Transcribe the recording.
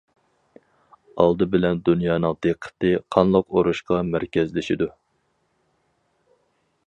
ئالدى بىلەن دۇنيانىڭ دىققىتى قانلىق ئۇرۇشقا مەركەزلىشىدۇ.